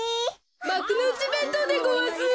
まくのうちべんとうでごわす。